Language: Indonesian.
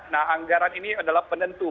nah anggaran ini adalah penentu